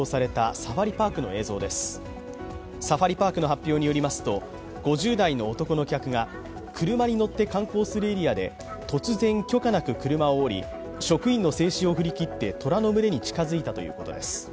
サファリパークの発表によりますと、５０代の男の客が車に乗って観光するエリアで突然許可なく車を降り職員の制止を振り切って虎の群れに近づいたということです。